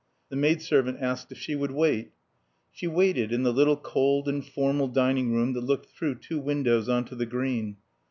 The maid servant asked if she would wait. She waited in the little cold and formal dining room that looked through two windows on to the Green.